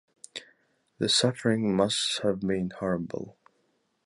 The suffering must have been horrible.